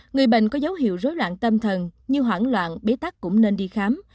người bệnh có dấu hiệu rối loạn tâm thần như hoảng loạn bế tắc cũng nên đi khám